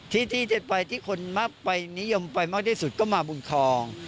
ที่ที่จะไปที่คนมากไปนิยมไปมากที่สุดก็มาบุญทอง